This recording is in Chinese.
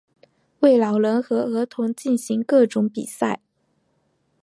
为老人和儿童进行各种比赛。